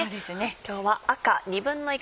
今日は。